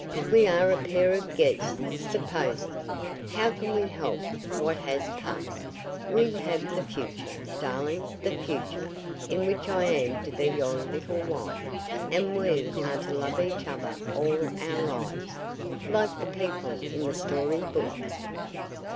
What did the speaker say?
"We are a pair of geese supposing! How can we help what has past? We have the Future, darling the Future, in which I am to be your little wife, and we are to love each other all our lives, like the people in the story books."